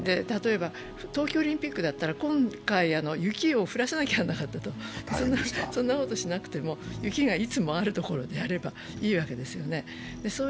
例えば冬季オリンピックだったら今回、雪を降らせなきゃいけなかった、そんなことしなくても、雪がいつもある所でやればいいわけですよね。